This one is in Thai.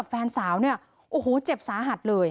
แฟนสาวเนี่ยโอ้โหเจ็บสาหัสเลย